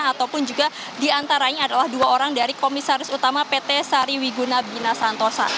ataupun juga diantaranya adalah dua orang dari komisaris utama pt sariwiguna bina santosa